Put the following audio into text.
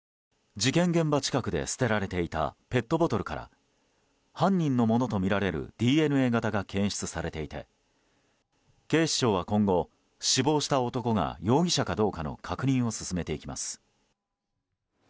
事件現場近くで捨てられていたペットボトルから犯人のものとみられるＤＮＡ型が検出されていて警視庁は今後死亡した男が容疑者かどうかの確認を進めていきます。